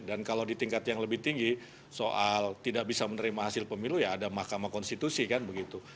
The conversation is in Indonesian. dan kalau di tingkat yang lebih tinggi soal tidak bisa menerima hasil pemilu ya ada mahkamah konstitusi kan begitu